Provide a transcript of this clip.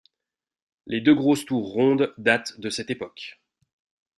Les deux grosses tours rondes datent de cette époque.